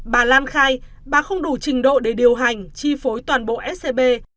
bà lam khai bà không đủ trình độ để điều hành chi phối toàn bộ scb